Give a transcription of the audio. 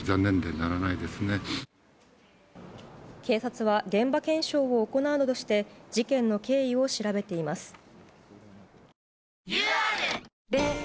警察は現場検証を行うなどして事件の経緯を調べています。